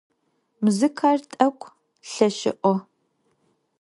Музыкэр тӏэкӏу лъэшыӏо.